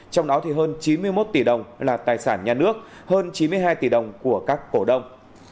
trong đó thì hơn chín mươi một tỷ đồng là tài sản nhà nước hơn chín mươi hai tỷ đồng của các cổ đông